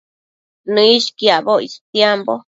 Nëishquiacboc istiambo